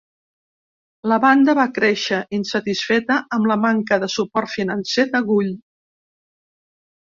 La banda va créixer insatisfeta amb la manca de suport financer de Gull.